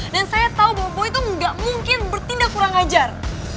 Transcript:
dan saya tahu bahwa boy itu gak mungkin bertindak kurang ajar